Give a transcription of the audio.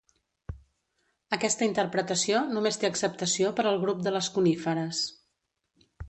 Aquesta interpretació només té acceptació per al grup de les coníferes.